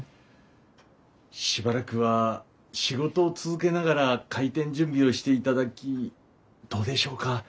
しばらくは仕事を続けながら開店準備をしていただきどうでしょうか？